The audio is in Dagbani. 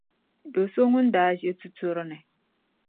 do’ so ŋun daa ʒe tuturi ni.